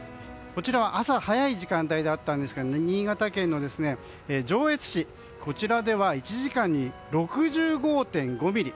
こちらは朝早い時間帯だったんですが新潟県の上越市では１時間に６５．５ミリ。